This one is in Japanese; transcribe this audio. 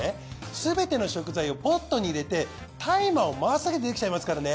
すべての食材をポットに入れてタイマーを回すだけでできちゃいますからね。